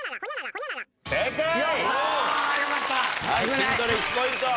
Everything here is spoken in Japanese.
『キントレ』１ポイント。